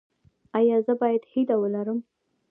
ایا زه باید هیله ولرم؟